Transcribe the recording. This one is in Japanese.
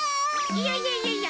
いやいやいやいや。